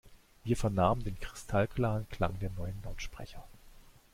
Wir vernahmen den kristallklaren Klang der neuen Lautsprecher.